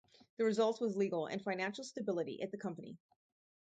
The result was legal and financial stability at the company.